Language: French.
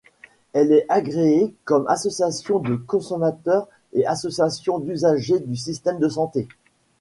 Elle est agréée comme association de consommateurs et association d'usagers du système de santé.